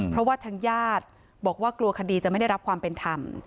เพราะว่าทางญาติบอกว่ากลัวคดีจะไม่ได้รับความเป็นธรรม